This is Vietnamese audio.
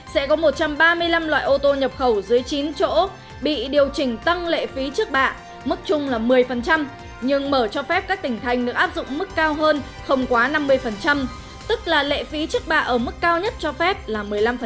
sẽ có một trăm ba mươi năm loại ô tô nhập khẩu dưới chín chỗ bị điều chỉnh tăng lệ phí trước bạ mức chung là một mươi nhưng mở cho phép các tỉnh thành được áp dụng mức cao hơn không quá năm mươi tức là lệ phí trước bạ ở mức cao nhất cho phép là một mươi năm